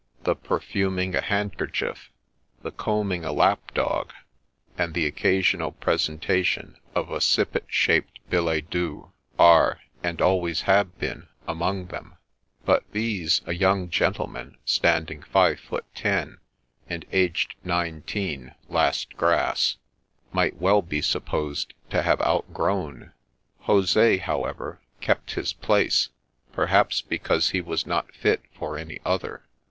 The perfuming a handkerchief, the combing a lap dog, and the occasional presentation of a sippet shaped billet doux, are, and always have been, among them ; but these a young gentleman standing five foot ten, and aged nine teen ' last grass,' might well be supposed to have outgrown. Jose, however, kept his place, perhaps because he was not fit for any other.